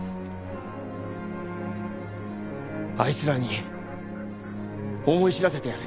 あいつらに思い知らせてやる。